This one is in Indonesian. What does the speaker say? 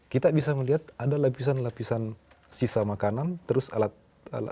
kita bisa melihat ada lapisan lapisan sisa makanan terus alat hidup sehari hari